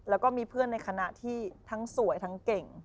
แล้วก็มีเพื่อนในคณะที่ทั้งสวยทั้งเก่ง